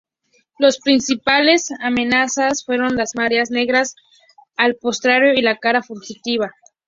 Las principales amenazas son las mareas negras, el pastoreo y la caza furtiva.